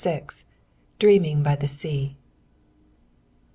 DREAMING BY THE SEA.